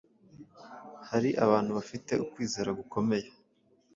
Hari abantu bafite ukwizera gukomeye